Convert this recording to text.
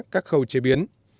các khâu chế biến